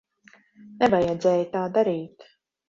Nevajadzēja tā darīt.